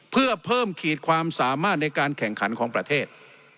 เพื่อเพิ่มขีดความสามารถในการแข่งขันของประเทศ